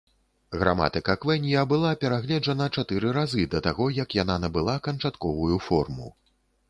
Граматыка квэнья была перагледжана чатыры разы да таго, як яна набыла канчатковую форму.